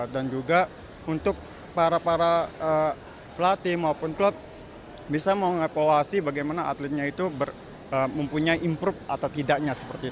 dan juga untuk para pelatih maupun klub bisa mengoperasi bagaimana atletnya itu mempunyai improve atau tidaknya